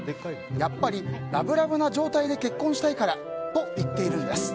やっぱりラブラブな状態で結婚したいからと言っているんです。